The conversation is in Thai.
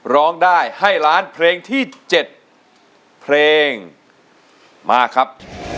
ร้องได้ให้ล้านเพลงที่๗เพลงมาครับ